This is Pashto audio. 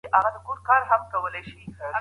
د خوشحال خان خټک په اړه موثق معلومات کم دي.